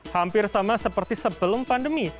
hampir sama seperti sebelum pandemi